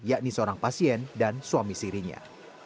yakni seorang pasien dan suami sirinya